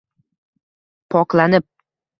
poklanib